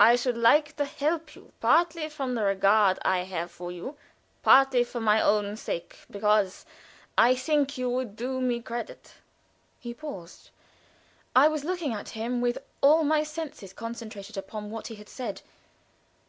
"I should like to help you, partly from the regard I have for you, partly for my own sake, because I think you would do me credit." He paused. I was looking at him with all my senses concentrated upon what he had said.